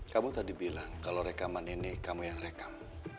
kamu tadi bilang kalau rekaman ini kamu yang rekam